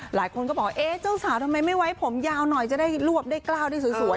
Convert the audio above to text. หลายคนก็บอกเอ๊ะเจ้าสาวทำไมไม่ไว้ผมยาวหน่อยจะได้รวบได้กล้าวได้สวย